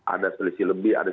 ada selisih lebih ada